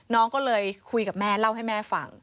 น้องก็เลยคุยกับแม่เล่าให้แม่ฟัง